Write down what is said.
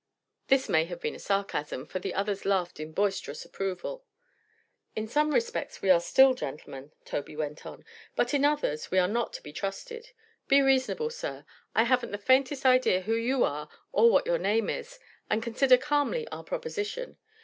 This may have been a sarcasm, for the others laughed in boisterous approval. "In some respects we are still gentlemen," Tobey went on, "but in others we are not to be trusted. Be reasonable, sir I haven't the faintest idea who you are or what your name is and consider calmly our proposition.